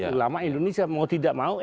ulama indonesia mau tidak mau